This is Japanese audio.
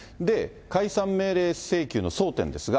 解散命令請求の争点ですが。